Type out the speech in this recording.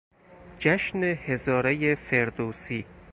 جشن هزارهی فردوسی